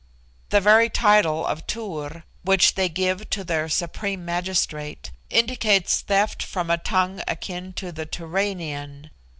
The very title of Tur, which they give to their supreme magistrate, indicates theft from a tongue akin to the Turanian.